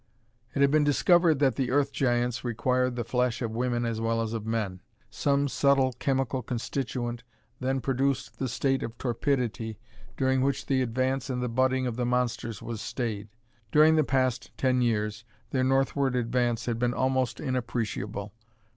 _ It had been discovered that the Earth Giants required the flesh of women as well as of men. Some subtle chemical constituent then produced the state of torpidity during which the advance and the budding of the monsters was stayed. During the ten past years their northward advance had been almost inappreciable.